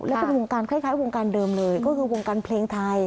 แล้วก็คือวงการคล้ายคล้ายวงการเดิมเลยก็คือวงการเพลงไทย